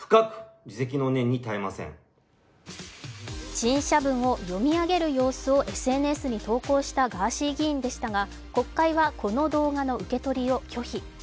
陳謝文を読み上げる様子をＳＮＳに投稿したガーシー議員でしたが国会はこの動画の受け取りを拒否。